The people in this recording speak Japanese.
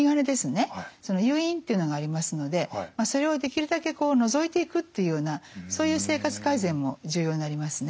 その誘因っていうのがありますのでそれをできるだけこう除いていくっていうようなそういう生活改善も重要になりますね。